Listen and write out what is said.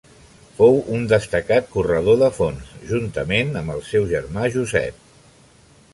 Fou un destacat corredor de fons, juntament amb el seu germà Josep.